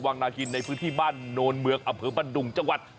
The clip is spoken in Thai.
วังนาคินในพื้นที่บ้านโน้นเมืองอเผื้อบันดุงจังหวัด